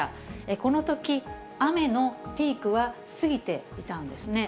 このとき、雨のピークは過ぎていたんですね。